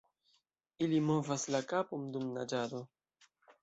Ili movas la kapon dum naĝado.